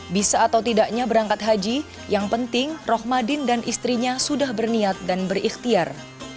bisa atau tidaknya berangkat haji yang penting rohmadin dan istrinya sudah berniat dan berikhtiar